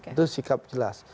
itu sikap jelas